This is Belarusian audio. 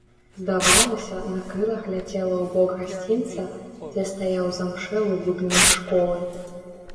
Здавалася, на крылах ляцела ў бок гасцінца, дзе стаяў замшэлы будынак школы.